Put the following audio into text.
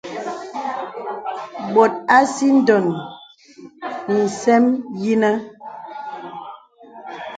Bòt à sìdòn lìsɛm yìnə̀.